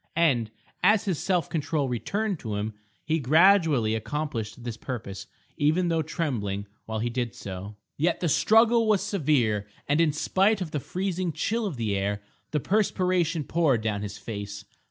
And, as his self control returned to him, he gradually accomplished this purpose, even though trembling while he did so. Yet the struggle was severe, and in spite of the freezing chill of the air, the perspiration poured down his face.